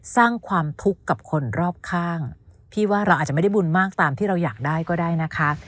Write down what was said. สร้างความทุกข์กับคนรอบข้างพี่ว่าเราอาจจะไม่ได้บุญมากตามที่เราอยากได้ก็ได้นะคะ